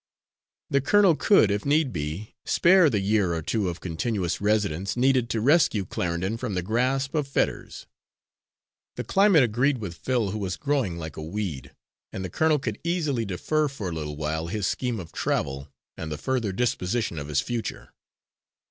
The colonel could, if need be, spare the year or two of continuous residence needed to rescue Clarendon from the grasp of Fetters. The climate agreed with Phil, who was growing like a weed; and the colonel could easily defer for a little while his scheme of travel, and the further disposition of his future.